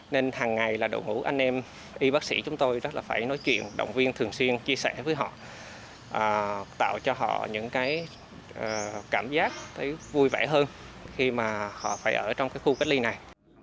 nên hằng ngày là đội ngũ anh em y bác sĩ chúng tôi rất là phải nói chuyện động viên thường xuyên chia sẻ với họ tạo cho họ những cái cảm giác thấy vui vẻ hơn khi mà họ phải ở trong cái khu cách ly này